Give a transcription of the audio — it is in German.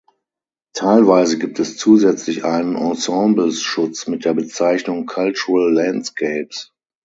Teilweise gibt es zusätzlich einen Ensembles-Schutz mit der Bezeichnung "Cultural Landscapes".